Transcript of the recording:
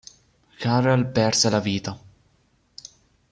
Carrel perse la vita.